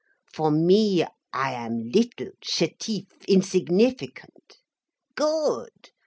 For me, I am little, chétif, insignificant. Good!